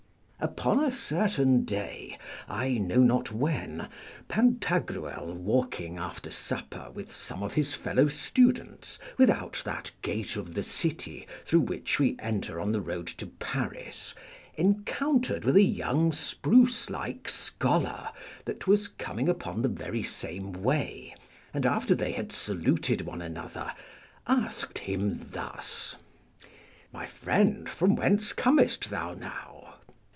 Upon a certain day, I know not when, Pantagruel walking after supper with some of his fellow students without that gate of the city through which we enter on the road to Paris, encountered with a young spruce like scholar that was coming upon the same very way, and, after they had saluted one another, asked him thus, My friend, from whence comest thou now?